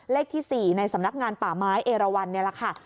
เลขที่๔ในสำนักงานป่าไม้เอราวันนี่แหละค่ะ